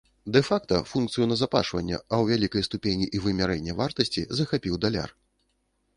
Дэ-факта функцыю назапашвання, а ў вялікай ступені і вымярэння вартасці захапіў даляр.